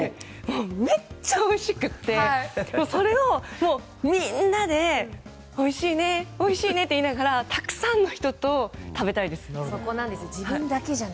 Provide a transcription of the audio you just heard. めっちゃおいしくてそれをみんなでおいしいね、おいしいねって言いながらたくさんの人と食べたいです。